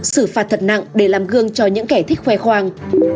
xử phạt thật nặng để làm gương cho những kẻ thích khoe khoang